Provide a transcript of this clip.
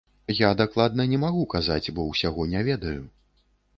Я дакладна не магу казаць, бо ўсяго не ведаю.